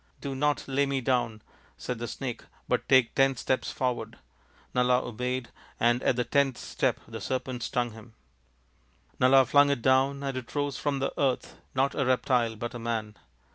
" Do not lay me down," said the snake, " but take ten steps forward." Nala obeyed, and at the tenth step the serpent stung him. 136 THE INDIAN STORY BOOK Nala flung it down and it rose from the earth not a reptile but a man.